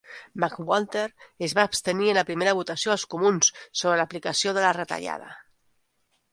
McWalter es va abstenir en la primera votació als Comuns sobre l'aplicació de la retallada.